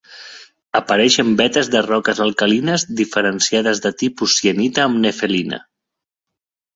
Apareix en vetes de roques alcalines diferenciades de tipus sienita amb nefelina.